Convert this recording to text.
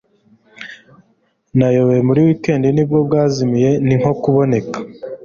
Nayobewe muri wekandi ni bwo bwazimiye ni nko kuboneka